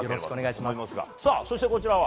そして、こちらは？